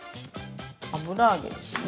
油揚げですね。